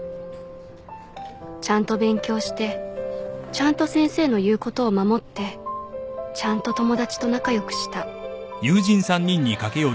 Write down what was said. ちゃんと勉強してちゃんと先生の言うことを守ってちゃんと友達と仲良くした